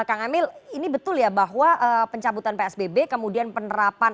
kang emil ini betul ya bahwa pencabutan psbb kemudian penerapan